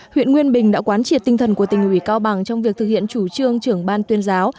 huyện nguyên bình đã quán triệt tinh thần của tỉnh ủy cao bằng trong việc thực hiện chủ trương trưởng ban tuyên giáo